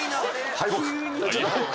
敗北！